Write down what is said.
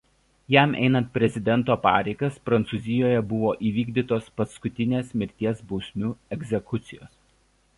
Jam einant prezidento pareigas Prancūzijoje buvo įvykdytos paskutinės mirties bausmių egzekucijos.